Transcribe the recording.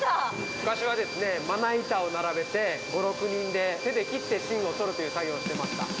昔はまな板を並べて、５、６人で手で切って、芯を取るという作業をしてました。